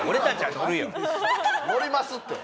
乗りますって。